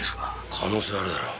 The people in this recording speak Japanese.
可能性はあるだろ。